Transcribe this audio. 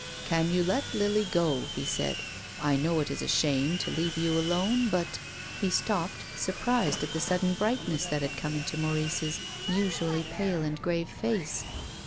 "Can you let Lily go?" he said. "I know it is a shame to leave you alone, but —" He stopped, surprised at the sudden brightness that had come into Maurice's usually pale and grave face.